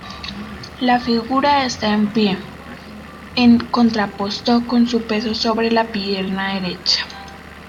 La figura está en pie, en contrapposto con su peso sobre la pierna derecha.